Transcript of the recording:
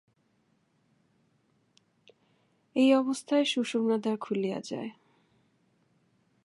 এই অবস্থায় সুষু্ম্নাদ্বার খুলিয়া যায়।